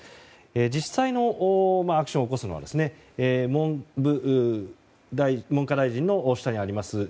実際のアクションを起こすのは文科大臣の下にあります